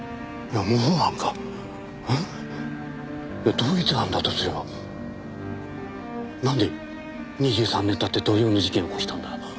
同一犯だとすればなんで２３年経って同様の事件を起こしたんだ？